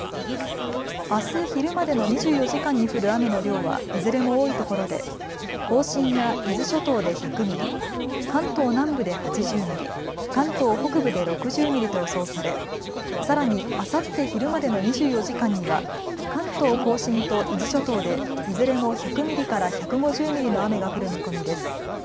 あす昼までの２４時間に降る雨の量はいずれも多いところで甲信や伊豆諸島で１００ミリ、関東南部で８０ミリ、関東北部で６０ミリと予想されさらに、あさって昼までの２４時間には関東甲信と伊豆諸島でいずれも１００ミリから１５０ミリの雨が降る見込みです。